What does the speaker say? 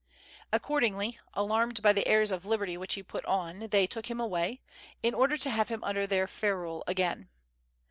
Accordingly, alarmed by the airs of liberty which he put on, they took him away, in order to have him under their ferule again.